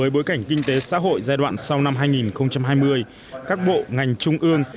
bối cảnh kinh tế xã hội giai đoạn sau năm hai nghìn hai mươi các bộ ngành trung ương